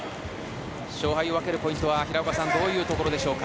勝敗を分けるポイントはどういうところでしょうか。